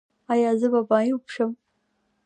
ایا زه به معیوب شم؟